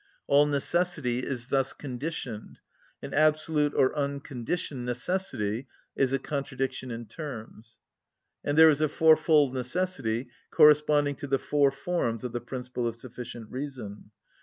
All necessity is thus conditioned, and absolute or unconditioned necessity is a contradiction in terms. And there is a fourfold necessity corresponding to the four forms of the principle of sufficient reason:—(1.)